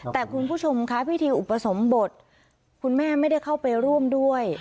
แต่คุณผู้ชมคะพิธีอุปสมบทคุณแม่ไม่ได้เข้าไปร่วมด้วย